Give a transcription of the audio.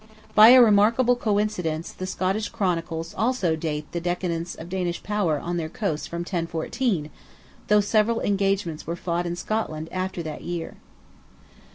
By a remarkable coincidence, the Scottish chronicles also date the decadence of Danish power on their coasts from 1014, though several engagements were fought in Scotland after that year.